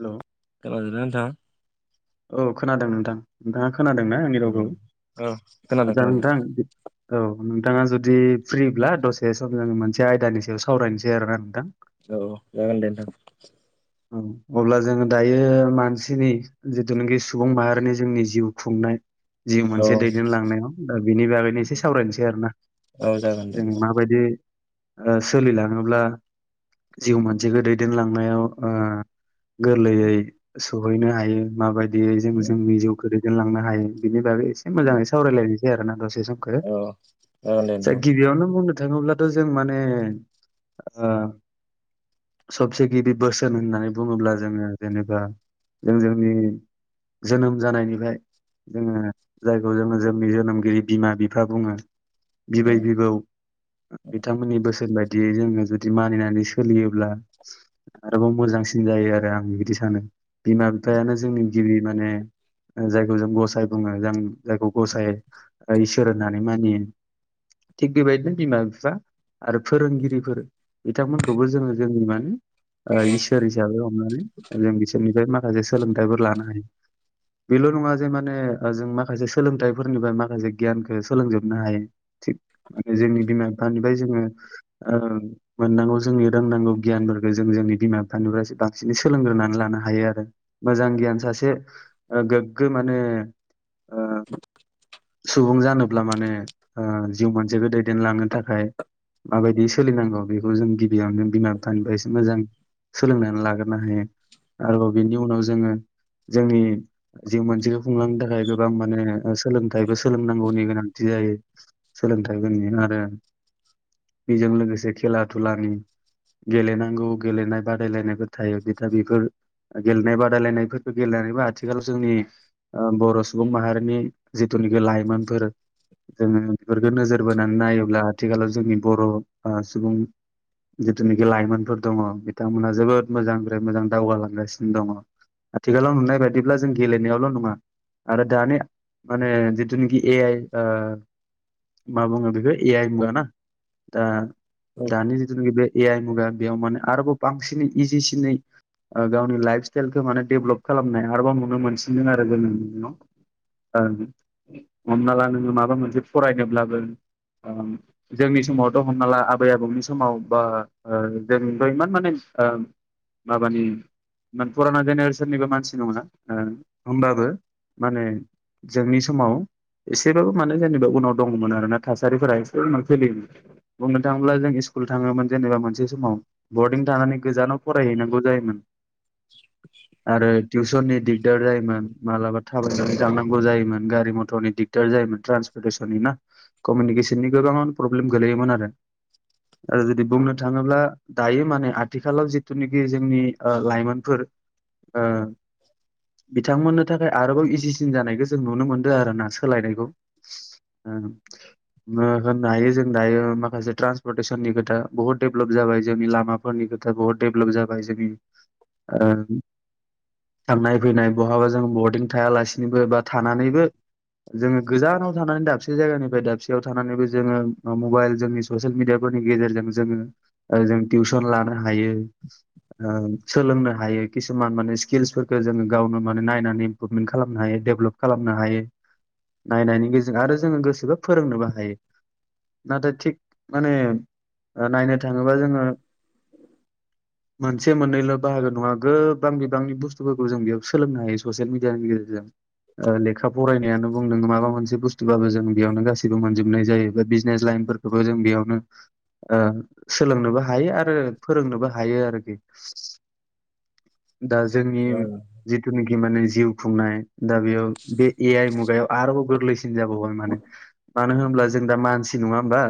Hello खोनादोंना नोंथाङा? औ खोनादों नोंथां। नोंथाङा खोनादोंना आंनि रावखौ? औ औ खोनादों आचसा खोनादों नोंथां औ नोंथ नोंथाङा जुदि फ्रिब्ला दसे सम जों मोनसे आयदानि सायाव सावरायनोसै आरोना नोंथां। औ जागोन दे नोंथां। औ अब्ला जोङो दायो मानसिनि जिथुनाखि सुबुं माहारिनि जोंनि जिउ खुंनाय जिउ मोनसे दैदेनलांनायाव दा बेनि बागैनो एसे सावरायनोसै आरो ना औ जागोन दे जों नोंथां माबायदि ओ सोलिलाङोब्ला जिउ मानसिखौ दैदेनलांनायाव ओ गोरलैयै सहैनो हायो माबायदियै जों जोंनि जिउखो रै दिनलांनो हायो बिनि बागै एसे मोजाङै सावरायलायनोसै आरोना दसे जोंखो औ जागोन दे जा नोंथां गिबियावनो बुंदों थाङोब्लाथ' जों माने ओ सबसे गिदि बोसो बोसोन होननानै बुङोब्ला जोङो जेनेबा जों जोंनि जोनोम जानायनिफ्राय जोङो जायखौ जोङो जोंनि जोनोमगिरि बिमा बिफा बुङो औ बिबै बिबौ ओ बिथांमोननि बोसोन बायदि दियै जोङो जुदि मानिनानै सोलियोब्ला आरोबाव मोजांसिन जायो आरो आं बिदि सानो बिमा बिफायानो जोंनि गिबि माने जों जायखौ जों गसाय बुङो जों जायखौ गसाय इसोर होननानै मानियो थिग बेबायदिनो बिमा बिफा आरो फोरोंगिरिफोर बिथांमोनखौबो जोङो जोंनि माने ओ इसोर हिसाबै हमनानै जों बिसोरनिफ्राय माखासे सोलोंथाइफोर लानो हायो। बेल' नङा जे माने जों माखासे सोलोंथाइफोरनिफ्राय माखासे गियानखौ सोलोंजोबनो हायो। थिग माने जोंनि बिमा बिफानिफ्राय जोङो ओ मोननांगौ जोंनि रोंनांगौ गियानफो रखौ जों जोंनि बिमा बिफानिफ्रायसो बांसिनै सोलोंग्रोनानै लानो हायो आरो मोजां गियान सासे ओ गोग्गो माने ओ सुबुं जानोब्ला माने ओ जिउ मोनसेखौ दैदेनलांनो थाखाय माबायदि सोलिनांगौ बेखौ जों गिबियावनो बिमा बिफानिफ्रायसो मोजां सोलोंनानै लाग्रोनो हायो आरोबाव बिनि उनाव जोङो जोंनि जिउ मोनसेखौ खुंलांनो थाखाय गोबां माने सोलोंथाइबो सोलोंनांगौनि गोनांथि जायो सोलोंथाइ होननि आरो बेजों लोगोसे खेला धुलानि गेलेेनो गौ गेलेनाय बादायलायनायफोर थायो बिदा बिफोर गेलेनाय बादायलायनायफोरखौ गेलेनानैबो आथिखालाव जोंनि ओ बर' सुबुं माहारिनि जिथु नि बे लाइमोनफोर जोङो बेफोरखौ नोजोर बोनानै नायोब्ला आथिखालाव जोंनि बर' ओ सुबुं जिथुनोखि लाइमोनफोर दङ बिथांमोनहा जोबोद मोजांनिफ्राय मोजां दावगालांगासिनो दङ आथिखालाव नुनाय बायदिब्ला जों गेलेनायावल' नङा आरो दानि माने जिथुनाखि ए आइ ओ मा बुङो बेखौ ए आइ मुगाना दा दानि जिथुनो बे ए आइ मुगा बेयाव माने आरोबाव बांसिनै इजिसिनै गावनि लाइफ स्टाइलखौ माने डेभलप खालामनाय आरोबाव नुनो मोन सिनो आरो जों नुनायाव ओ हमना ला नोङो माबा मोनसे फरायनोब्लाबो जोंनि समावथ हमना ला आबै आबौनि समाव बा ओ जों जों' इमान माने ओ माबानि फुराना जेनेरेसननिबो मानसि नङा ओ ओमबाबो माने जोंनि समाव एसेबाबो माने जेनेबा उनाव दङमोन आरोना थासारिफोरा एसे उनाव सोलियोमोन बुंनो थाङोब्ला जों स्कुल थाङोमोन जेनेबा मोनसे समाव लजिं थानानै गोजानाव फरायहैनांगौ जायोमोन आरो टिउसननि दिगदार जायोमोन मालाबा थाबाय थांनांगौ जायोमोन गारि मथरनि दिगदार जायोमोन ट्रान्स लेसननिना कमिउनिकेसननि गोबाङावनो प्रब्लेम गोलैयोमोन आरो आरो जुदि बुंनो थाङोब्ला दायो माने आथिखालाव जिथुनोखि जोंनि ओ लाइमोनफोर ओ बिथांमोननो थाखाय आरोबाव इजिसिन जानाय खौ जों नुनो मोनदों आरो ना सोलायनायखौ होननो हायो जों दायो माखासे ट्रान्सपर्टेसननि खोथा बुहुत डेभलप जाबाय जोंनि लामाफोरनि खोथा बुहुद डेभलप जाबाय जोंनि ओ थांनाय फैनाय बहाबा जों बरडिं थायालासिनोबो बा थानानैबो जोङो गोजानाव थानानै दाबसे जायगानिफ्राय दाबसेयाव थानानैबो जोङो मबाइल जोंनि ससियेल मिडियाफोरनि गेजेरजों जोङो जों टिउसन लानो हायो ओ सोलोंनो हायो किसुमान माने स्किल्सफोरखौ जोङो गावनो माने नायनानै इमप्रुभमेन्ट खालामनो हायो डेभलप खालामनो हायो नायनायनि गेजेरजों आरो जोङो गोसोबा फोरोंनोबो हायो नाथाय थिक माने ओ थाङोबा जोङो मोनसे मोननैल बाहागो नङा गोबां बिबांनि बुस्थुफोरखौ जों बेयाव सोलोंनो हायो ससियेल मिडियानि गेजेरजों। जों। लेखा फरायनायानो बुंदों माबा मोनसे बुस्थुुबाबो जों बेयावनो गाैबो मोनजोबनाय जायो बा बिजनेस लाइन। बेफोरखोबो जों बेयावनो ओ सोलोंनोबो हायो आरो फोरोंनोबो हायो आरोखि दा जोंनि जिथुनिखि माने जिउ खुंनाय दा बेयाव बे ए आइ मुगायाव आरोबाव गोरलैसिन जाबावबाय माने मानो होनोब्ला जों दा मानसि नङा होमबा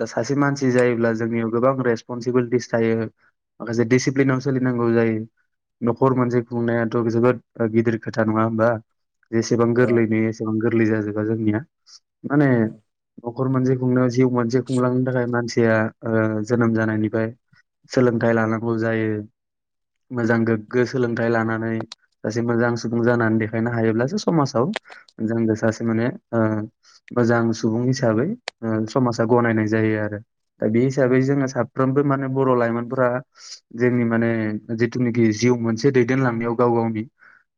दा सासे मानसि जायोब्ला जोंनियाव गोबां रेसपनसिबिलिटिस थायो माखासे दिडिसिप्लिनाव सोलिनांगौ जायो न'खर मोनसे खुंनायाथ जोबोद गिदिर खोथा नङा होमबा जेसेबां गोरलै नुयो एसेबां गोरलै जाजोबा जोंनिया माने न'खर मोनसे खुंनायाव जिउ मोनसे खुंलांनो थाखाय मानसिया जोनोम जानायनिफ्राय सोलोंथाइ लानांगौ जायो मोजां गोग्गो सोलोंथाइ लानानै सासे मोजां सुबुं जानानै देखायनो हायोब्लासो समाजाव जोंबो सासे माने ओ मोजां सुबुं हिसाबै ओ समाजा गनायनाय जायो आरो दा बे हिसाबै। जोंङो साफ्रोमबो म बर' लाइमोनफोरा जोंनि माने जिथुनिखि जिउ मोनसे दैदेनलां याव गाव गावनि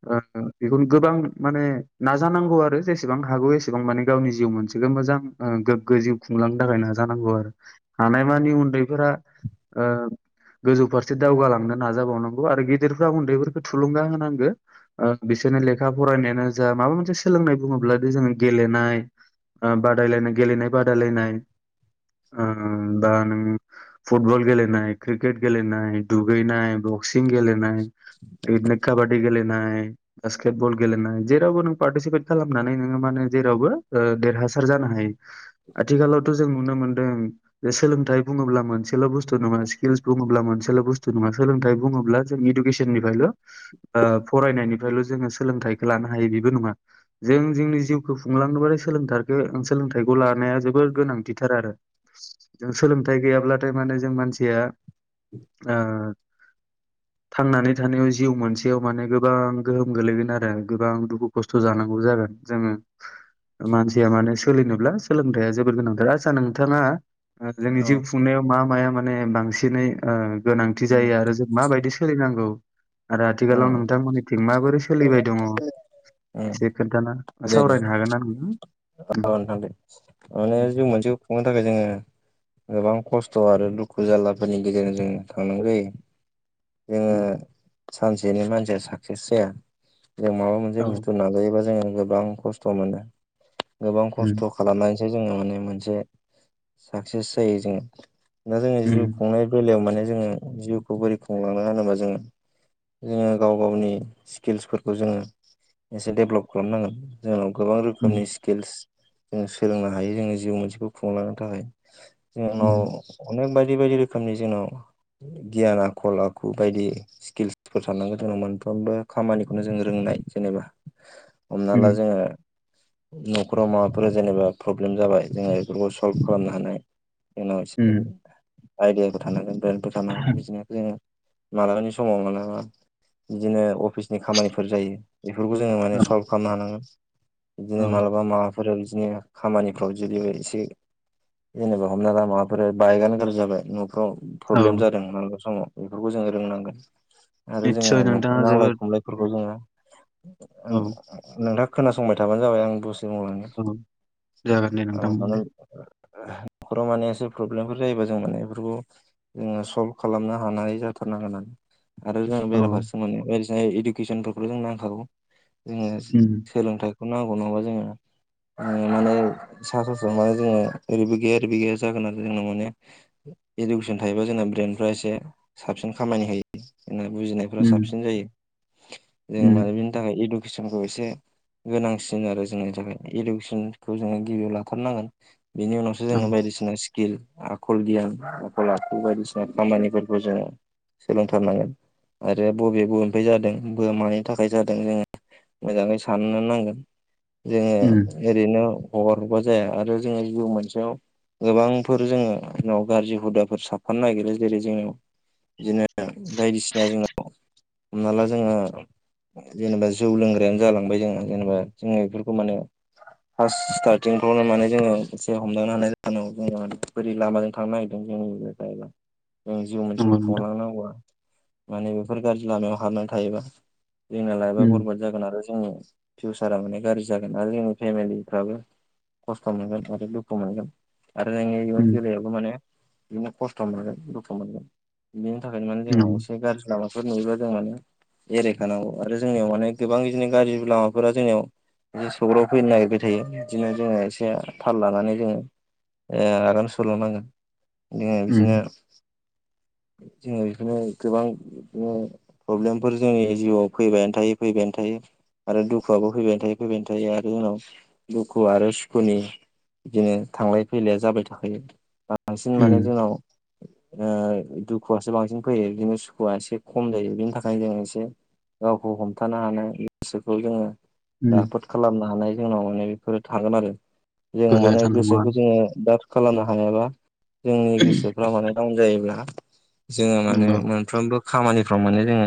बेखौनो गोबां माने नाजानांगौ आरो जेसेबां हागौ एसेबां माने गावनि जिउ मोनसे मोजां गोगो जिउ खुंलांनो थाखाय नाजानांगौ आरो हानायमानि उन्दैफोरा ओ गोजौ फारसे दावगालांनो नाजाबावनांगौ आरो गेदेरफ्रा उन्दैफोरखौ थुलुंगा होनांगो ओ बिसोर बिदिनो लेखा फरायनायानो जा माबा मोनसे सोलोंनाय बुङोब्ला जोङो गेलेनाय बादायलायनाय गेलेनाय बादायलायनाय ओ दा नों फुटबल गेलेनाय क्रिकेट गेलेनाय दुगैनाय बक्सिं गेलेनाय इदिने काबाडि गेलेनाय। बास्केट बल गेलेनाय जेरावबो नों पारतिसिपेट खालामनानै नों माने जेरावबो ओ देरहासार जानो हायो आथिखालावथ' जों नुनो मोनदों। जे सोलोंथाइ बुङोब्ला मोनसेल' बुस्थु नङा स्किलस बुङोब्ला मोनसेल' बुस्थु नङा सोलोंथाइ बुङोब्ला। इदुकेसननि फ्रायल'ओ फरायनायनिफ्रायल' जोङो सोलोंथखौ लानो हायो बेबो नङा। जों जोंनि जिउखौ खुंलांनो बालाय सोलोंथारखो। सोलोंथाइखौ लानाया जोबोद गोनांथिथार आरो। सोलोंथाइ गैयाब्लाथाय माने जों मानसिया। थांनानै थानायाव जिउ मोनसेयाव माने गोबां गोहोम गोलैगोन आरो गोबां दुखु खस्थ' जानांगौ जागोन। जोङो मानसिया माने सोलिनोब्ला सोलोंथाया जोबोद गोनांथार आचसा नोंथाङा। जोंनि जिउ खुंनायाव मा माया माने बांसिनै। गोनांथि जायो आरो जों माबायदि सोलिनांगौ। आरो औ आथिखालाव नोंथांमोननिथिं माबोरै सोलिबाय दङ। औ एसे खोन्थाना दे दे सावरायनो हागोनना नोंथां। औ नोंथां माने उम जिउ मोनसेखौ खुंनो थाखाय जोङो। गोबां खस्थ' आरो दुखु जाललाफोरनि गेजेरजों जों थांनांगौ जायो। जोङो उम सानसेनि मानसिया साक्सेस जाया। जों माबा मोनसे औ बुस्थु नाजायोबा जोङो गोबां खस्थ' मोनो। गोबां उम खस्थ' खालामनानैसो जोङो माने मोनसे साक्सेस जायो जों। दा जोङो उम जिउ खुंनाय बेलायाव माने जोङो जिउखौ बोरै खुंलांनो होनोबा जोङो। जोङो गाव गावनि स्किल्सफोरखौ जोङो। एसे देब्लब खालामनांगोन जोंनाव गोबां रोख। उम रोखोमनि स्किल्स जों सोलोंनो हायो जोङो जिउ मोनसेखौ खुंलांनो थाखाय। उम जोंनाव अनेक बायदि बायदि रोखोमनि जोंनाव। गियान आखल आखु बायदि स्किल्सफोर थानांगो जोंनाव मोनफ्रोमबो खामानिखौनो जों रोंनाय। जेनेबा हमना उम ला जोङो न'खराव माबाफोर जेनेबा प्रब्लेम जाबाय जोङो बेफोरखौ सल्भ खालामनो हानाय जोंनाव एसे उम आइडियाफोर थानांगोन ब्रेन्फोर थानांगोन बिदिनिखौ जोङो मालाबानि समाव मालाबा बिदिनो अफिसनि खामानिफोर जायो बेफोरखौ जोङो माने औ सल्भ खालामनो हानांगोन बिदिनो औ मालाबा माबाफोर बिदिनो खामानिफ्राव जुदि एसे जेनबा हमना दा माबाफोर बायगानो गाज्रि जाबाय प्रब्लेम औ जादों माबा समाव बेफोरखौ जोङो रोंनांगोन आरो जोङो निस्सय न'खर नोंथाङा नांलाय जोबोद खमलायफोरखौ जोङो औ नोंथाङा खोनासंबाय खोनथाबानो जाबाय औ जागोन दे नोंथां आं बुं दे [unintelligible] न'खराव माने एसे प्रब्लेमफोर जायोबा जों माने बेफोरखौ जोङो सल्भ खालामनो हानाय जादों हाथारनांगोन आरो जों औ बेराफारसे मोनो बाय इडुकेसनफोरखौ जों नांखागौ जोङो उम सोलोंथाइखौ नांगौ नङाबा जोङो माने सा सा माने जों ओरैबो गैया ओरैबो गैया जागोन आरो जोंनाव माने इडुकेसन थायोबा जोंना ब्रेन्डफ्रा एसे साबसिन खामानि होयो बुजिनायफोरा उम साबसिन जायो जोङो माने उम बिनि थाखाय इडुकेसनखौ एसे गोनांसिन आरो जोंनि थाखाय इडुकेसनखौ जोङो गिबियाव लाथारनांगोन बिनि उनावसो औ जोङो बायदिसिना आखल गियान आखल आखु बायदिसिना खामानिफोरखौ जोङो सोलोंथारनांगोन आरो बबे बबेनिफ्राय जादों बा मानि थाखाय जादों जोङो मोजाङै साननो नांगोन उम जोङो ओरैनो हरबा जाया आरो जोङो जिउ मोनसेयाव गोबांफोर जोङो उनाव गाज्रि हुदाफोर साफानो नागिरो जेरै जोंनियाव बिदिनो बायदिसिना जोंनाव हमना ला जोङो जेनेबा जौ लोंग्रायानो जालांबाय जोङो जेनेबा जोङो बेफोरखौ मोनो फार्स्ट स्टार्टिंफ्रावनो माने जोङो एसे हमदांनो हानाय जानांगौ जेनेबा बोरै लामाजों थांनो नागिरदों [unintelligible] जों जिउ मोनसेखौ नंगौ नोंथां खुंलांनांगौआ माने बेफोर गाज्रि लामायाव हाबनानै थायोबा जोंना लायबा उम बरबाड जागोन आरो जोंनि फिउसारा माने गाज्रि जागोन आरो जोंनि फेमिलिफ्राबो खस्थ' मोनगोन आरो दुखु मोनगोन आरो जोंनि इयुन उम जोलैयाबो माने बिदिनो खस्थ' मोनगोन दुखु मोनगोन बिनि थाखायनो माने जोङो नंगौ एसे गाज्रि लामा फोर नुयोबा जों माने एरायखानांगौ आरो जोंनियाव माने गोबां बिदिनो दारि गोला फोरा जोंनियाव ए सौग्राव फैनो नागिरबाय थायो बिदिनो जोङो एसे थाल लानानै जोङो ए आराम सल' नांगोन जो उम बिदिनो [inaudible] जोङो बिदिनो गोबां बिदिनो प्रब्लेमफोर जोंनि जिउआव फैबायानो थायो फैबायानो थायो आरो दुखुआबो फैबाय थायो फैबायनो थायो आरो जोंनाव दुखु आरो सुखुनि बिदिनो थांलाय फैलाया जाबाय थाखायो बांसिन माने उम जोंनाव दुखुआसो बांसिन फैयो बिदिनो सुखुआ एसे खम जायो बिनि थाखायनो जों एसे गावखौ हमथानो हानाय गोसोखौ जोङो उम राफोद खालामनो हानाय जोंनाव माने बेफोरो थागोन आरो जों गोहोआ माने गोसोखौ थानांगौआनो जोङो दाद खालामनो हायाबा जोंनि गोसोफ्रा माने डाउन जायो जोङो माने नंगौ मोनफ्रोमबो खामानिफ्राव माने जोङो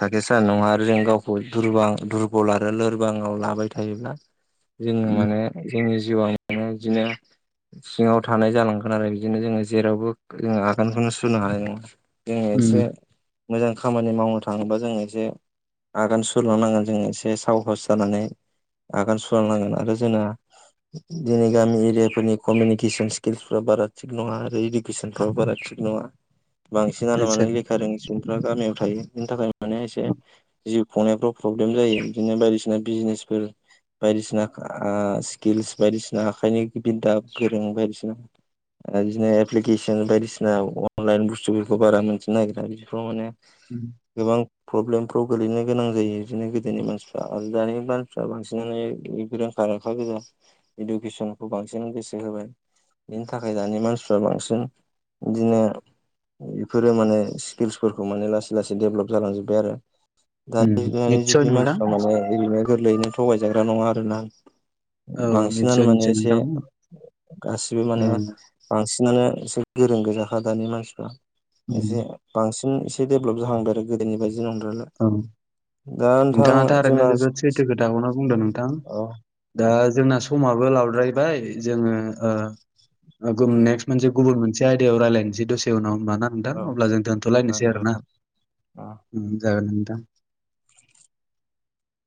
साकसेस जानाय नङा आरो जों गावखौ लुरबां दुरबल आरो लोरबां बाङाव लाबाय थायोब्ला जोङो उम माने जोंनि जिउआव माने बिदिनो सिङाव थानाय जालांगोन आरो बिदिनो जोङो जेरावबो जोङो आगानखौनो सुनो हानाय नङा जों एसे उम मोजां खामानि मावनो थाङोबा जों एसे आगान सुरनो नांगोन जों एसे साहस जानानै आगान सुरलांनांगोन आरो जोंना दिनै गामि एरियाफोरनि कमिउनिकेसन स्किल्सफ्रा बारा थिग नङा आरो इडुकेसनफ्राबो बारा थिग थि नङा बांसिनानो मानो आतसा लेखा रोङि सुबुंफ्रा गामियाव थायो बिनि थाखाय माने एसे जिउ खुंनायफ्राव प्रब्लेम जायो बिदिनो बायदिसिना बिजनेसफोर बायदिसिना ओ स्किल्स बायदिसिना आखाइनि गि बि दाब गोरों बायदिसिना ओ बिदिनो एप्लिकेसन बायदिसिना अनलाइन बुस्थुफोरखौ बारा मोनथिनो नागिरा बिफोराव माने उम गोबां प्रब्लेमफ्राव गोलैनो गोनां जायो बिदिनो गोदोनि मानसिफ्रा आरो दानि मानसिफ्रा बांसिनानो रोंखा राखा गोजा इडुकेसनखौ बांसिन गोसो हो बाय बिनि थाखाय दानि मानसिफ्रा बांसिन बिदिनो बेफोरो माने स्किल्सफोरखौ माने लासै लासै देभलप जालांजोब्बाय आरो दानि उम दानि निस्सय जुगनि नोंथां मानसिफ्रा माने ओरैनो गोरलैयैनो थगायजाग्रा नङा आरोना औ बांसिनानो निस्सय माने निस्सय एसे नोंथां गासिबो माने औ बांसिन सिनानो एसे गोरों गोजाखा दानि मानसिफ्रा एसे उम बांसिन एसे डेभेलप जाहांदों आरो गोदोनि बायदि नंद्रायला औ दा नोंथां नोंथाङा थारैनो जोंना जोबोद सैथो खोथाखौना बुंदों नोंथां औ औ दा जोंना समाबो लाद्रायबाय जोङो औ ओ नेक्स्ट मोनसे गुबुन मोनसे आयदायाव रायलायनोसै दसे उनाव होनबाना नोंथां अब्ला जों दोन्थ'लायनोसै आरो ना औ जागोन नोंथां